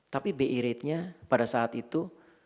tapi bi rate nya pada saat itu